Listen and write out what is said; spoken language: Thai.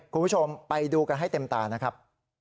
คุณผู้ชมไปดูกันให้เต็มตานะครับ